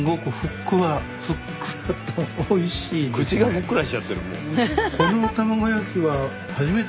口がふっくらしちゃってるもう。